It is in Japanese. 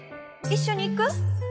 一緒に行く？